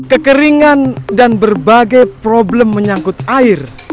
kekeringan dan berbagai problem menyangkut air